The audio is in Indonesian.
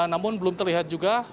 namun belum terlihat juga